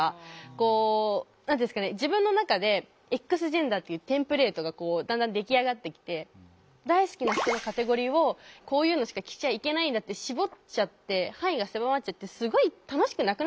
こう自分の中でＸジェンダーっていうテンプレートがだんだん出来上がってきて大好きな服のカテゴリーをこういうのしか着ちゃいけないんだって絞っちゃって範囲が狭まっちゃってすごい楽しくなくなっちゃったんですよ。